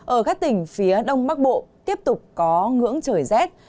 ở các tỉnh phía đông bắc bộ tiếp tục có ngưỡng trời rét